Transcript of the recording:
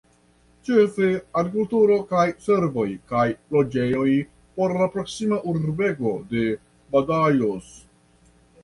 Ĉefe agrikulturo kaj servoj kaj loĝejoj por la proksima urbego de Badajoz.